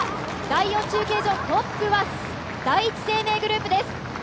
第４中継所、トップは第一生命グループです。